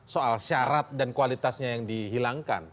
soal syarat dan kualitasnya yang dihilangkan